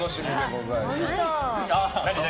何？